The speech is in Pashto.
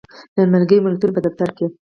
د ملګری ملتونو په دفتر کې